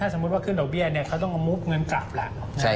ถ้าสมมุติว่าขึ้นดอกเบี้ยเนี่ยเขาต้องกระมุ้งเงินกลับละ